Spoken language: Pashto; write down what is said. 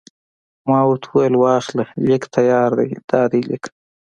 ما ورته وویل: واخله، لیک تیار دی، دا دی لیک.